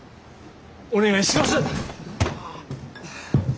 お願いします！